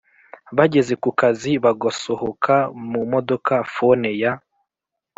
bageze kukazi bagosohoka mumodoka phone ya